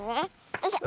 よいしょ。